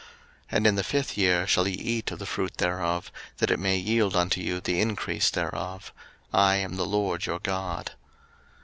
03:019:025 And in the fifth year shall ye eat of the fruit thereof, that it may yield unto you the increase thereof: I am the LORD your God.